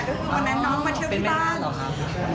ดูนั้นนั้นน้องมาช่วงวิตาน้องเป็นแม่งานเหรอค่ะ